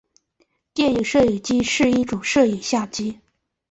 电影摄影机是一种摄影相机。